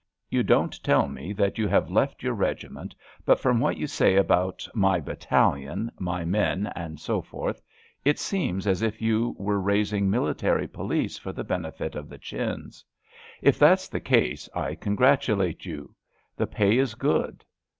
You don't tell me that you have left your regiment, but from what you say about my bat talion,'* *^ my men," and so forth, it seems as if you were raising military police for the benefit of the Chins. If that's the case, I congratulate you. The pay is good.